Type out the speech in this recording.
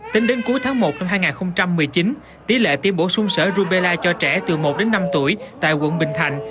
tính đến cuối tháng một năm hai nghìn một mươi chín tỷ lệ tiêm bổ sung sở rubella cho trẻ từ một đến năm tuổi tại quận bình thạnh